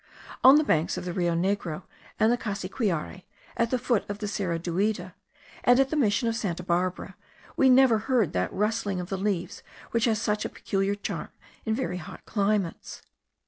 On the banks of the Rio Negro and the Cassiquiare, at the foot of Cerro Duida, and at the mission of Santa Barbara, we never heard that rustling of the leaves which has such a peculiar charm in very hot climates.